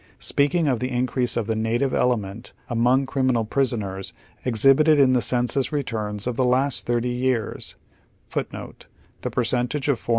Speaking of the increase of the native element among criminal prisoners exhibited in the census returns of the last thirtj^ jeare,* the Rev. Fred.